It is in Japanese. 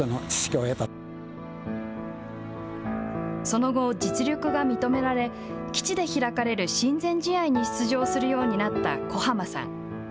その後、実力が認められ基地で開かれる親善試合に出場するようになった小浜さん。